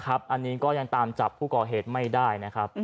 อันนี้ก็ยังตามจับผู้ก่อเหตุไม่ได้นะครับ